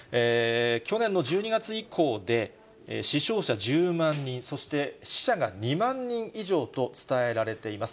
去年の１２月以降で死傷者１０万人、そして死者が２万人以上と伝えられています。